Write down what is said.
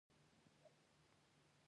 زور برابر نه دی.